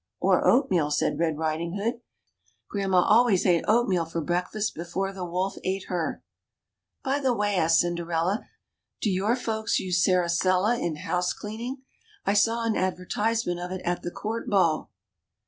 Or oatmeal," said Red Riding hood. Grandma always ate oatmeal for breakfast before the wolf ate her." By the way," asked Cinderella, ^Mo your folks use saracella in house cleaning ? I saw an advertisement of it at the court ball."